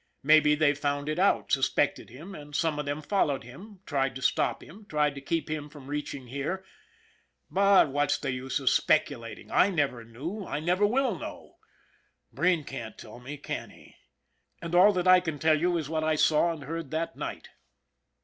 Maybe they found it out, suspected him, and some of them followed him, tried to stop him, tried to keep him from reaching here. But what's the use of speculating? I never knew, I never will know. Breen can't tell me, can he? And all that I can tell you is what I saw and heard that night.